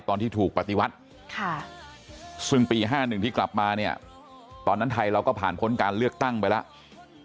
ตอนที่ถูกปฏิวัติซึ่งปี๕๑ที่กลับมาเนี่ยตอนนั้นไทยเราก็ผ่านพ้นการเลือกตั้งไปแล้ว